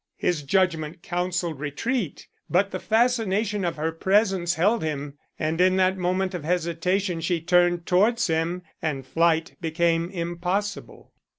His judgment counseled retreat, but the fascination of her presence held him, and in that moment of hesitation she turned towards him and flight became impossible.